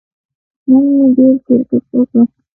نن مې ډېر کیرکټ وکه